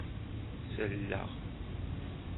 Selleɣ.